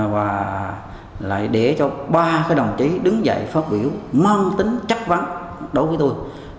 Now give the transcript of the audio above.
và lại để cho ba đồng chí đứng dậy phát biểu mang tính chất vấn đối với tôi